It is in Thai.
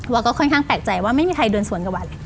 วาก็ค่อนข้างแปลกใจว่าไม่มีใครเดินสวนกับวันเลย